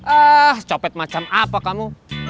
ah copet macam apa kamu